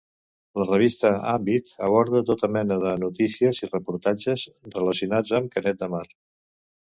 La revista Àmbit aborda tota mena de notícies i reportatges relacionats amb Canet de Mar.